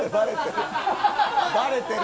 バレてる。